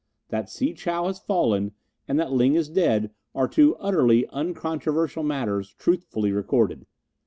"That Si chow has fallen and that Ling is dead are two utterly uncontroversial matters truthfully recorded.